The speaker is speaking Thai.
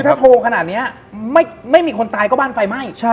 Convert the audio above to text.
ถ้าโทรขนาดนี้ไม่มีคนตายก็บ้านไฟไหม้